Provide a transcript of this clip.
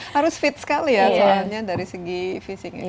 harus fit sekali ya soalnya dari segi visi